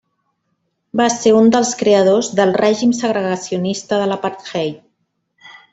Va ser un dels creadors del règim segregacionista de l'apartheid.